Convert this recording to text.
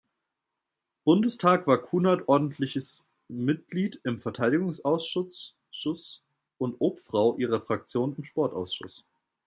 Bundestag war Kunert Ordentliches Mitglied im Verteidigungsausschuss und Obfrau ihrer Fraktion im Sportausschuss.